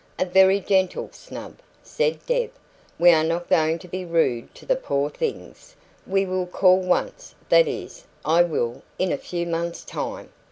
"A very GENTLE snub," said Deb. "We are not going to be rude to the poor things. We will call once that is, I will in a few months' time.